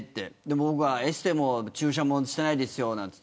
でも僕はエステも注射もしてないですよと。